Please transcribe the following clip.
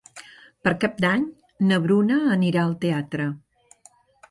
Per Cap d'Any na Bruna anirà al teatre.